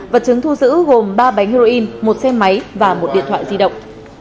vật chứng thu giữ gồm ba bánh heroin một xe máy và một điện thoại di động